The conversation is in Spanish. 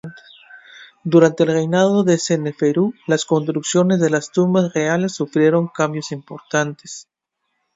Durante el reinado de Seneferu la construcción de las tumbas reales sufrió cambios importantes.